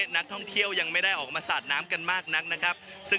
นักท่องเที่ยวยังไม่ได้ออกมาสาดน้ำกันมากนักนะครับ